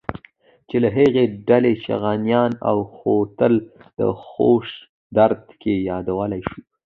چې له هغې ډلې چغانيان او خوتل د وخش دره کې يادولی شو.